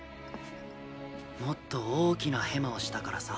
もっと大きなヘマをしたからさ。